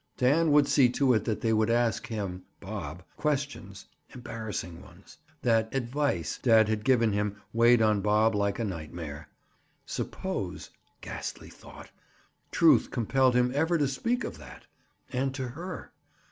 Dan would see to it that they would ask him (Bob) questions, embarrassing ones. That "advice" dad had given him weighed on Bob like a nightmare. Suppose—ghastly thought!—truth compelled him ever to speak of that? And to her!